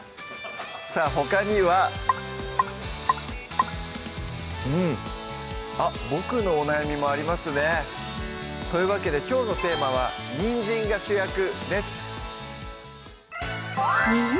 さぁほかにはうんあっ僕のお悩みもありますねというわけできょうのテーマは「にんじんが主役」です